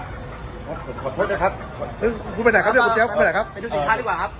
ผมขอโทษนะครับคุณไปไหนครับคุณไปไหนครับไปดูสินค้าดีกว่าครับ